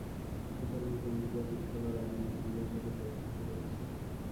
সুতরাং তোমরা প্রতীক্ষা কর, আমিও তোমাদের সাথে প্রতীক্ষা করছি।